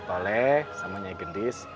toleh sama nyai gendis